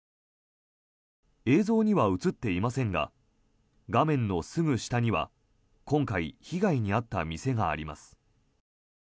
映像には映っていませんが画面のすぐ下には今回被害に遭った店があります。